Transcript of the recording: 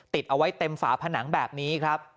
ติดเอาไว้เต็มฝาผนังแบบนี้ครับ